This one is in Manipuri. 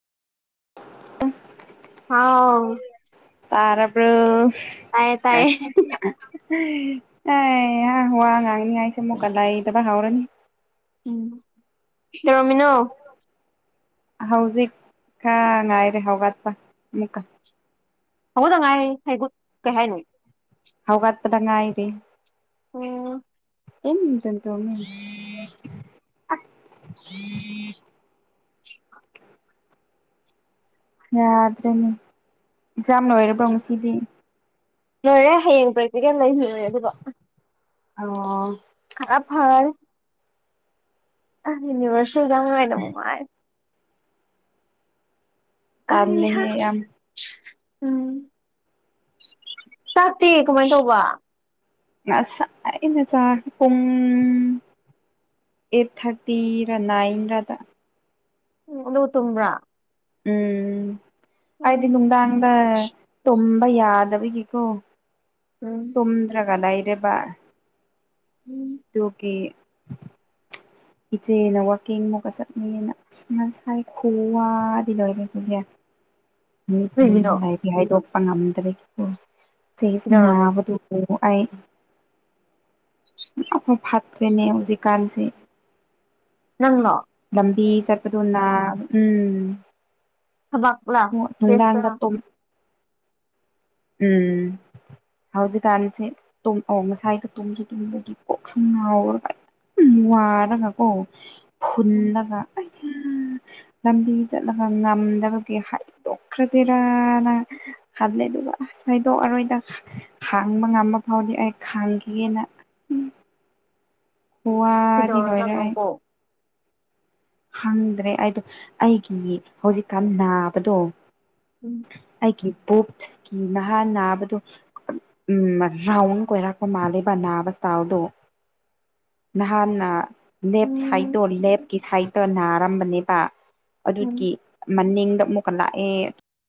ꯑꯦ ꯍꯥꯎ ꯇꯥꯔꯕ꯭ꯔꯣ ꯇꯥꯏꯌꯦ ꯇꯥꯏꯌꯦ ꯍꯩꯍꯥ ꯋꯥ ꯉꯥꯡꯅꯤꯉꯥꯏꯁꯦ ꯑꯃꯨꯛꯀ ꯂꯩꯗꯕ ꯍꯧꯔꯅꯤ ꯑꯝ ꯀꯩꯇꯧꯔꯝꯃꯤꯅꯣ ꯍꯧꯖꯤꯛ ꯈꯔ ꯉꯥꯏꯔꯦ ꯍꯧꯒꯠꯄ ꯑꯃꯨꯛꯀ ꯍꯧꯒꯠꯇꯥ ꯉꯥꯏꯔꯤ ꯍꯩꯒꯨꯠ ꯀꯩ ꯍꯥꯏꯅꯣ ꯍꯧꯒꯠꯄꯗꯥ ꯉꯥꯏꯔꯤ ꯑꯣ [unintelligible] ꯑꯁ ꯌꯥꯗ꯭ꯔꯦꯅꯦ ꯑꯦꯛꯖꯥꯝ ꯂꯣꯏꯔꯕ꯭ꯔꯣ ꯉꯁꯤꯗꯤ ꯂꯣꯏꯔꯦ ꯍꯌꯦꯡ ꯄ꯭ꯔꯦꯛꯇꯤꯀꯦꯜ ꯂꯩ ꯂꯣꯔꯦ ꯑꯗꯨꯒꯥ ꯑꯣ ꯈꯔ ꯐꯔꯦ ꯑꯁ ꯌꯨꯅꯤꯚꯔꯁꯦꯜ ꯑꯦꯛꯖꯥꯝ ꯅꯨꯉꯥꯏꯗꯧ ꯃꯥꯜꯂꯦ ꯑꯩꯍꯥ ꯇꯜꯂꯦꯍꯦ ꯌꯥꯝ ꯎꯝ ꯆꯥꯛꯇꯤ ꯀꯃꯥꯏꯅ ꯇꯧꯕ ꯉꯁꯥꯏꯅꯥ ꯆꯥꯛ ꯄꯨꯡ ꯑꯩꯠ ꯊꯥꯔꯇꯤ ꯔ ꯅꯥꯏꯟ ꯔꯗ ꯎꯝ ꯑꯗꯨꯒ ꯇꯨꯝꯕ꯭ꯔꯥ ꯎꯝ ꯎꯝ ꯑꯩꯗꯤ ꯅꯨꯡꯗꯥꯡꯗ ꯇꯨꯝꯕ ꯌꯥꯗꯕꯒꯤꯀꯣ ꯎꯝ ꯇꯨꯝꯗ꯭ꯔꯒ ꯂꯩꯔꯦꯕ ꯎꯝ ꯑꯗꯨꯒꯤ ꯏꯆꯦꯅ ꯋꯥꯛꯀꯤꯡ ꯃꯨꯛꯀ ꯆꯠꯅꯤꯡꯉꯦꯅ ꯉꯥꯁꯥꯏ ꯈꯨꯋꯥꯗꯤ ꯂꯣꯏꯔꯦꯍꯦ ꯑꯩ ꯀꯩꯒꯤꯅꯣ ꯌꯨꯝꯗ ꯥꯍꯥꯢꯗꯤ ꯍꯥꯏꯗꯣꯛꯄ ꯉꯝꯗꯕꯒꯤꯀꯣ ꯆꯦꯁ ꯀꯩꯗꯧꯔꯒꯦ ꯅꯥꯕꯗꯨ ꯑꯣ ꯑꯩ ꯌꯥꯝ ꯐꯠꯇ꯭ꯔꯦꯅꯦ ꯍꯧꯖꯤꯛꯀꯥꯟꯁꯦ ꯅꯪꯂꯣ ꯂꯝꯕꯤ ꯆꯠꯄꯗꯣ ꯅꯥ ꯎꯝ ꯊꯕꯥꯛꯂꯥ ꯍꯣꯏ ꯅꯨꯡꯗꯥꯡꯗꯥ ꯇꯨꯝ ꯎꯝ ꯍꯧꯖꯤꯛꯀꯥꯟꯁꯦ ꯉꯁꯥꯏꯗ ꯇꯨꯝꯁꯨ ꯇꯨꯝꯕꯒꯤ ꯀꯣꯛꯁꯨ ꯉꯥꯎꯔꯒ ꯎꯝ ꯋꯥꯔꯒ ꯀꯣ ꯎꯝ ꯐꯨꯟꯔꯒ ꯑꯝ ꯂꯝꯕꯤ ꯆꯠꯂꯒ ꯉꯝꯗꯕ ꯇꯦ ꯍꯥꯏꯗꯣꯛꯈ꯭ꯔꯖꯤꯔꯥꯅ ꯈꯜꯂꯦ ꯑꯗꯨꯒ ꯑꯁ ꯍꯥꯏꯗꯣꯛ ꯑꯔꯣꯏꯗ ꯈꯥꯡꯕ ꯉꯝꯕ ꯐꯥꯎꯗꯤ ꯑꯩ ꯈꯥꯡꯈꯤꯒꯦꯅ ꯋꯥꯗꯤ ꯂꯣꯏꯔꯦ ꯑꯩ ꯀꯩꯗꯧꯔꯖꯥꯠꯅꯣꯀꯣ ꯍꯪꯗ꯭ꯔꯦ ꯑꯩꯗꯣ ꯑꯩꯒꯤ ꯍꯧꯖꯤꯛꯀꯥꯟ ꯅꯥꯕꯗꯣ ꯎꯝ ꯑꯩꯒꯤ ꯄꯨꯛ ꯅꯍꯥꯥꯜ ꯅꯥꯕꯗꯨ ꯎꯝ ꯔꯥꯎꯟ ꯀꯣꯏꯔꯛꯄ ꯃꯥꯜꯂꯦꯕ ꯅꯥꯕ ꯑꯁꯇꯥꯏꯜꯗꯣ ꯅꯍꯥꯟꯅ ꯂꯦꯞ ꯎꯝ ꯁꯥꯏꯠꯇꯣ ꯂꯦꯞꯀꯤ ꯁꯥꯏꯠꯇꯣ ꯅꯥꯔꯝꯕꯅꯦꯕ ꯎꯝ ꯑꯗꯨꯒꯤ ꯃꯅꯤꯡꯗ ꯑꯃꯨꯛꯀ ꯂꯥꯛꯑꯦ